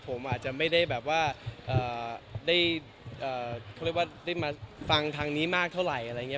ผมอาจจะไม่ได้แบบว่าได้มาฟังทางนี้มากเท่าไหร่นะครับ